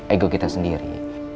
ego kita sendiri